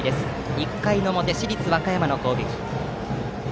１回の表、市立和歌山の攻撃。